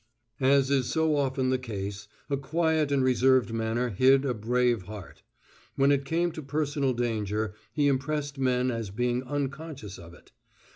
As is so often the case, a quiet and reserved manner hid a brave heart. When it came to personal danger he impressed men as being unconscious of it.